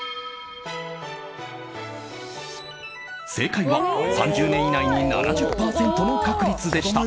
正解は、３０年以内に７０％の確率でした。